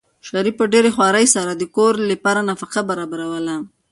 شریف په ډېرې خوارۍ سره د کور لپاره نفقه برابروله.